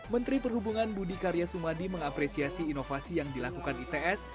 menteri perhubungan budi karya sumadi mengapresiasi inovasi yang dilakukan its